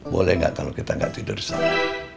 boleh gak kalau kita gak tidur disana